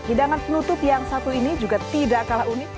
hidangan penutup yang satu ini juga tidak kalah unik